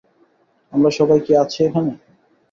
আমরা সবাই কি আছি এখানে?